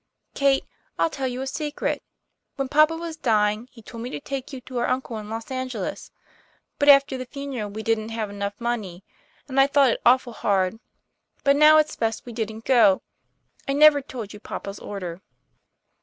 "Kate, I'll tell you a secret. When papa was dying, he told me to take you to our uncle in Los Angeles. But after the funeral we didn't have enough money, and I thought it awful hard. But now it's best we didn't go. I never told you papa's order."